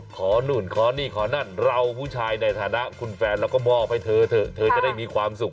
ขอนู่นขอนี่ขอนั่นเราผู้ชายในฐานะคุณแฟนเราก็มอบให้เธอเถอะเธอจะได้มีความสุข